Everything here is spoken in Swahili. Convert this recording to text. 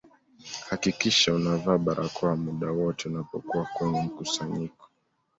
hakikisha unavaa barakoa muda wote unapokuwa kwenye mkusanyiko